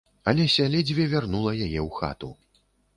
Алеся ледзьве вярнула яе ў хату.